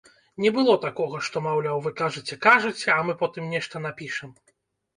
Не было такога, што, маўляў, вы кажаце-кажаце, а мы потым нешта напішам.